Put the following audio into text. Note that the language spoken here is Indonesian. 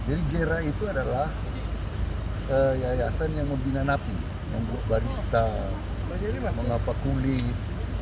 jadi jira itu adalah yayasan yang membina napi membuka barista mengapa kulit